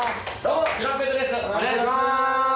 お願いします！